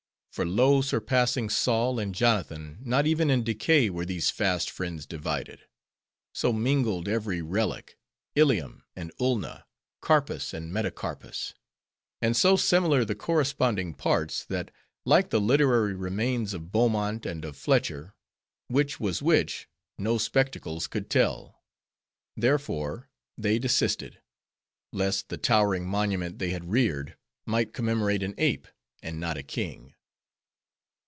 For lo surpassing Saul and Jonathan, not even in decay were these fast friends divided. So mingled every relic,—ilium and ulna, carpus and metacarpus;—and so similar the corresponding parts, that like the literary remains of Beaumont and of Fletcher, which was which, no spectacles could tell. Therefore, they desisted; lest the towering monument they had reared, might commemorate an ape, and not a king.